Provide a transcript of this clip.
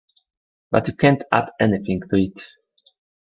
But you can't add anything to it.